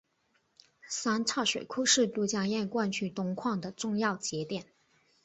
三岔水库是都江堰灌区东扩的重要节点。